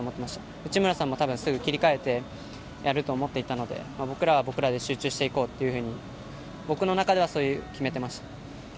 内村さんもすぐ切り替えてやると思っていたので僕らは僕らで集中していこうというふうに僕の中ではそう決めてました。